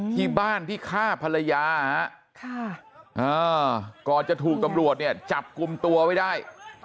ที่บ้านที่ฆ่าภรรยาก่อนจะถูกตำรวจเนี่ยจับกลุ่มตัวไว้ได้